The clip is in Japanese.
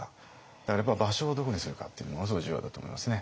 だからやっぱり場所をどこにするかっていうのはものすごい重要だと思いますね。